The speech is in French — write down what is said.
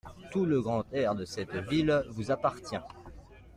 Tout le grand air de cette ville vous appartient.